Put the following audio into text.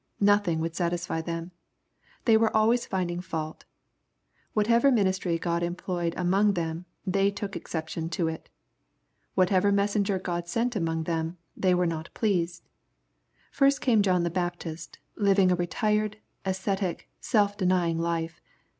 Nothing would satisfy them. They were always finding fault. Whatever ministry God employed among them, they took exception to it. Whatever messenger God sent among them, they were not pleased. First came John the Baptist, living a retired, ascetic, self denying life.